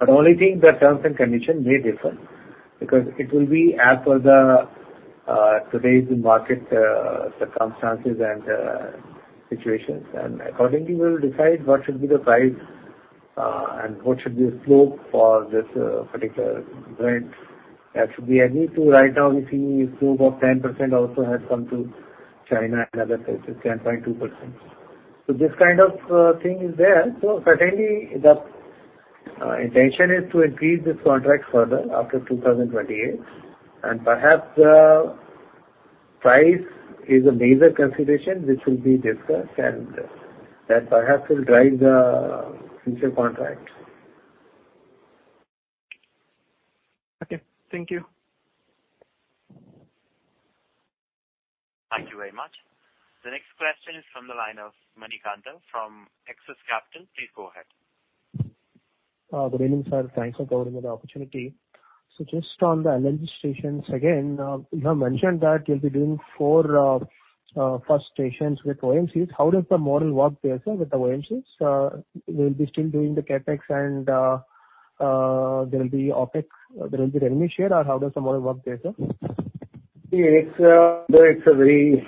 But only thing, the terms and conditions may differ, because it will be as per the today's market circumstances and situations. And accordingly, we'll decide what should be the price and what should be the slope for this particular event. That should be. I need to right now we see a slope of 10% also has come to China and other places, 10.2%. So this kind of thing is there. So certainly the intention is to increase this contract further after 2028, and perhaps the price is a major consideration which will be discussed and that perhaps will drive the future contract. Okay, thank you. Thank you very much. The next question is from the line of Manikanta from Axis Capital. Please go ahead. Good evening, sir. Thanks for giving me the opportunity. So just on the LNG stations again, you have mentioned that you'll be doing four first stations with OMCs. How does the model work there, sir, with the OMCs? We'll be still doing the CAPEX and there will be OPEX, there will be revenue share, or how does the model work there, sir? It's a very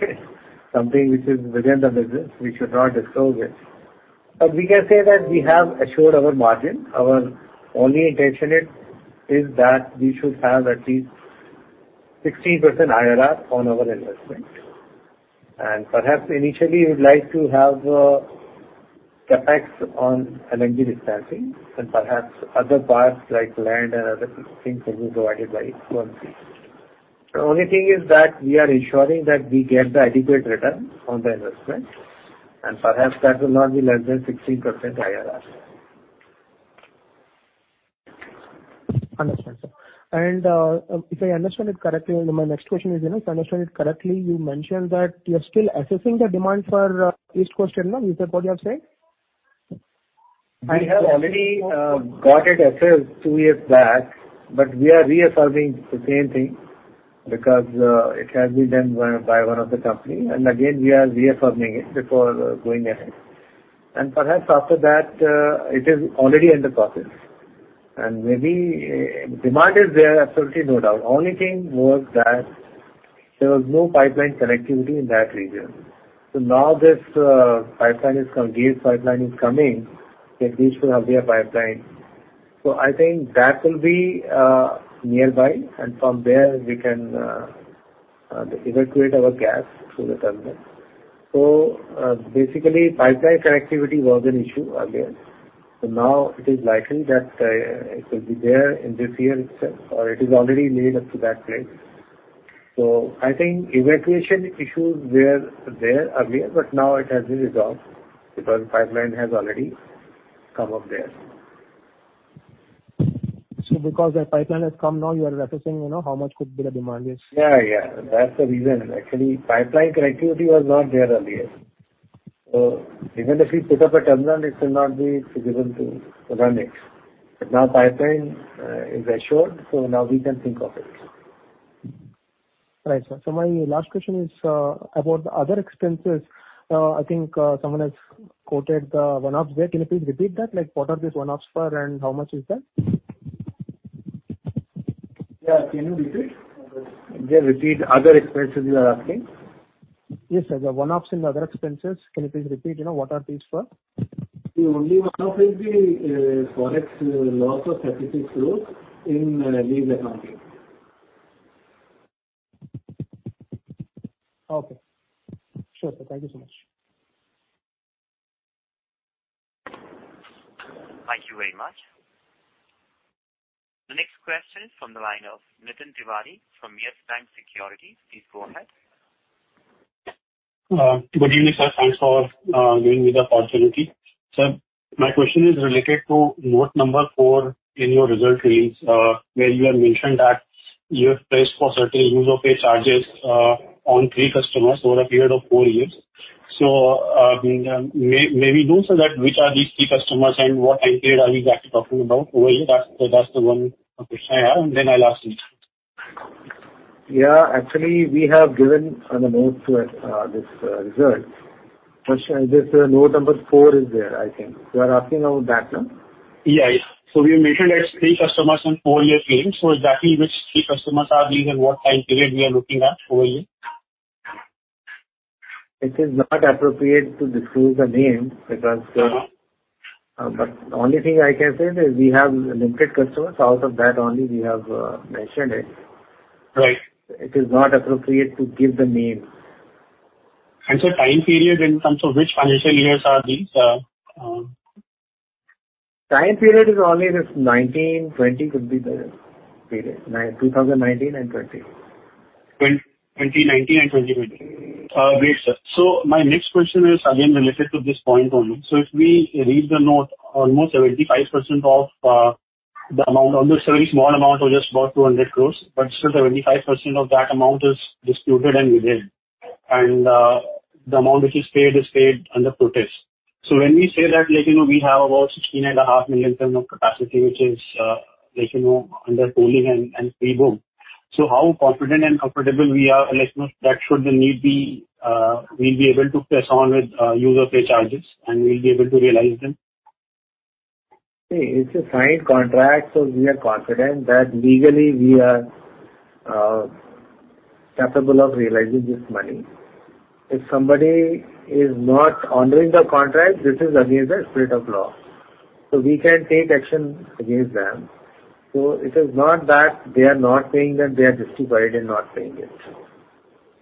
something which is within the business. We should not disclose it. But we can say that we have assured our margin. Our only intention is that we should have at least 60% IRR on our investment. And perhaps initially we'd like to have CAPEX on LNG dispensing, and perhaps other parts, like land and other things, will be provided by OMC. The only thing is that we are ensuring that we get the adequate return on the investment, and perhaps that will not be less than 60% IRR. Understood, sir. If I understand it correctly, my next question is, if I understand it correctly, you mentioned that you're still assessing the demand for East Coast Terminal, is that what you are saying? We have already got it assessed two years back, but we are reaffirming the same thing because it has been done by one of the company, and again, we are reaffirming it before going ahead. Perhaps after that, it is already in the process. Maybe demand is there, absolutely no doubt. Only thing was that there was no pipeline connectivity in that region. So now this pipeline is come, GAIL pipeline is coming, that this will have their pipeline. So I think that will be nearby, and from there we can evacuate our gas through the terminal. So basically, pipeline connectivity was an issue earlier, so now it is likely that it will be there in this year itself, or it is already laid up to that place. I think evacuation issues were there earlier, but now it has been resolved because pipeline has already come up there. Because the pipeline has come now, you are assessing, you know, how much could be the demand is? Yeah, yeah. That's the reason. Actually, pipeline connectivity was not there earlier. So even if we put up a terminal, it will not be feasible to run it. But now pipeline is assured, so now we can think of it. Right, sir. So my last question is about the other expenses. I think someone has quoted the one-offs there. Can you please repeat that? Like, what are these one-offs for and how much is that? Yeah, can you repeat? Just repeat other expenses you are asking. Yes, sir. The one-offs in the other expenses. Can you please repeat, you know, what are these for? The only one-off is the Forex loss of INR 32 crore in live market. Okay. Sure, sir. Thank you so much. Thank you very much. The next question is from the line of Nitin Tiwari from Yes Bank Securities. Please go ahead. Good evening, sir. Thanks for giving me the opportunity. Sir, my question is related to note number four in your results release, where you have mentioned that you have placed for certain use-or-pay charges on three customers over a period of four years. May we knowt which are these three customers and what time period are we exactly talking about over here? That's the one question I have, and then I'll ask you. Yeah, actually, we have given on the note to this result. Question, this note number four is there, I think. You are asking about that, no? Yeah, yeah. So you mentioned that three customers and four-year claim. So exactly which three customers are these and what time period we are looking at, over here? It is not appropriate to disclose the name because... But the only thing I can say is we have limited customers. Out of that, only we have mentioned it. Right. It is not appropriate to give the name. Time period in terms of which financial years are these? Time period is always 2019, 2020 could be the period. 2019, 2019 and 2020. 2019 and 2020. Great, sir. So my next question is again related to this point only. So if we read the note, almost 75% of the amount, almost a very small amount of just about 200 crore, but still 75% of that amount is disputed and within. And the amount which is paid, is paid under protest. So when we say that, like, you know, we have about 16.5 million ton of capacity, which is, like, you know, under pooling and pre-boom. So how confident and comfortable we are, like, you know, that should the need be, we'll be able to press on with use-or-pay charges, and we'll be able to realize them? It's a signed contract, so we are confident that legally we are capable of realizing this money. If somebody is not honoring the contract, this is against the spirit of law, so we can take action against them. So it is not that they are not paying and they are justified in not paying it.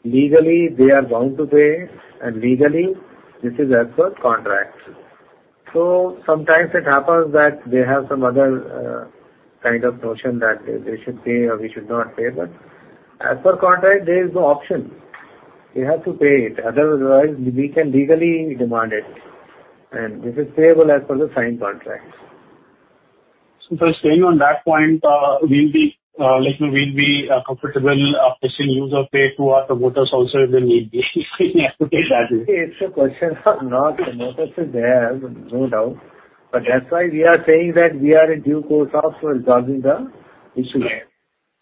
Legally, they are bound to pay, and legally, this is as per contract. So sometimes it happens that they have some other kind of notion that they should pay or we should not pay, but as per contract, there is no option. They have to pay it. Otherwise, we can legally demand it, and it is payable as per the signed contract. So staying on that point, we'll be comfortable applying use-or-pay to our promoters also if need be. We have to take that. It's a question of not the promoters are there, no doubt, but that's why we are saying that we are in due course of resolving the issue.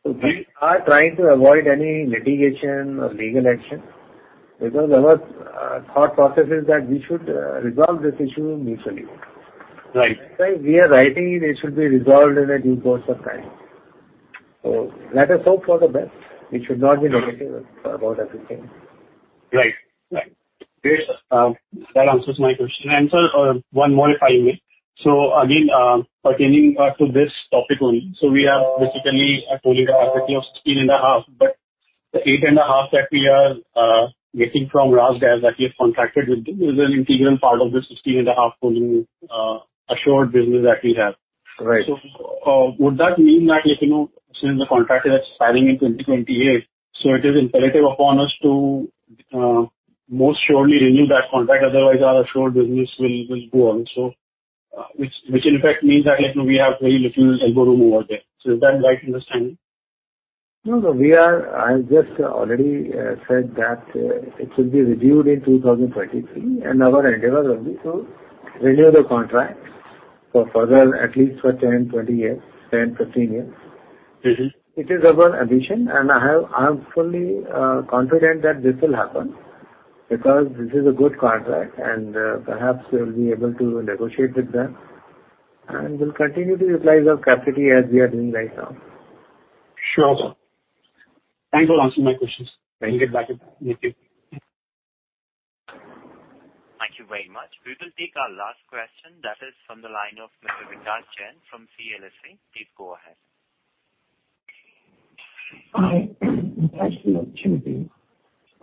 So we are trying to avoid any litigation or legal action because our thought process is that we should resolve this issue mutually. Right. That's why we are writing it, it should be resolved in due course of time. Let us hope for the best. It should not be litigated about everything. Right. Right. Great. That answers my question. And, sir, one more, if I may. So again, pertaining to this topic only, so we have basically a total capacity of 16.5 million ton, but the 8.5 million ton that we are getting from RasGas that we have contracted with, is an integral part of the 16.5 pooling, assured business that we have. Right. Would that mean that, like, you know, since the contract is expiring in 2028, so it is imperative upon us to most surely renew that contract, otherwise our assured business will go on. So, which in fact means that, like, we have very little elbow room over there. So is that right understanding? No, no, I just already said that it will be reviewed in 2033, and our endeavor will be to renew the contract for further, at least for 10, 20 years, 10, 15 years. It is our ambition, and I'm fully confident that this will happen because this is a good contract, and perhaps we'll be able to negotiate with them, and we'll continue to utilize our capacity as we are doing right now. Sure, sir. Thanks for answering my questions. I will get back with you. Thank you very much. We will take our last question. That is from the line of Mr. Vikash Jain from CLSA. Please go ahead. Hi, thanks for the opportunity.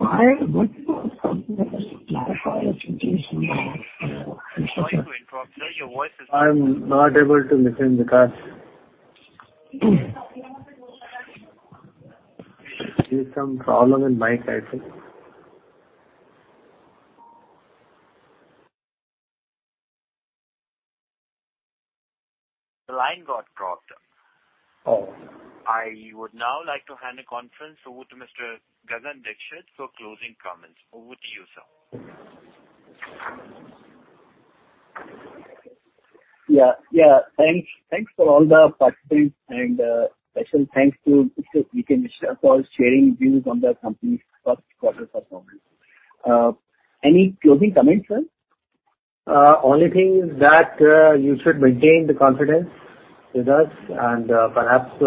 I would like to clarify the situation. Sorry to interrupt, sir. Your voice is- I'm not able to listen, Vikas. There's some problem in mic, I think. The line got dropped. Oh. I would now like to hand the conference over to Mr. Gagan Dixit for closing comments. Over to you, sir. Yeah. Yeah. Thanks, thanks for all the participants, and special thanks to Mr. V.K. Mishra for sharing views on the company's first quarter performance. Any closing comments, sir? Only thing is that, you should maintain the confidence with us and, perhaps,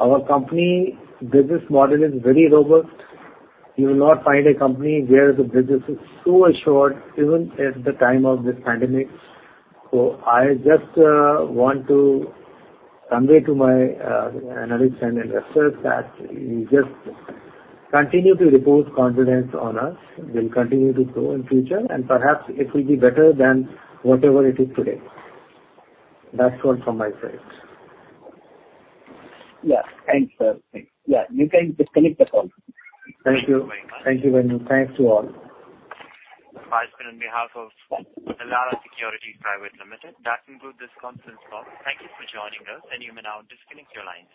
our company business model is very robust. You will not find a company where the business is so assured, even at the time of this pandemic. So I just want to convey to my analysts and investors that you just continue to report confidence on us. We'll continue to grow in future, and perhaps it will be better than whatever it is today. That's all from my side. Yeah. Thanks, sir. Thanks. Yeah, you can disconnect the call. Thank you. Thank you very much. Thank you very much. Thanks to all. I speak on behalf of Elara Securities Private Limited. That concludes this conference call. Thank you for joining us, and you may now disconnect your lines.